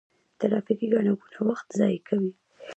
ترافیکي ګڼه ګوڼه وخت ضایع کوي.